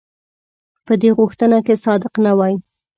په دې غوښتنه کې صادق نه وای.